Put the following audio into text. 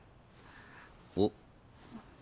おっ。